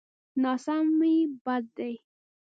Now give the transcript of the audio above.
ناسمي بد دی.